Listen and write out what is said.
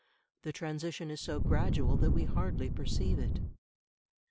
The transition is so gradual that we hardly perceive it.